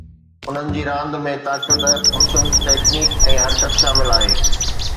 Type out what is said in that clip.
انهن جي راند ۾ طاقت، حسن، ٽيڪنڪ ۽ حرڪت شامل آهي.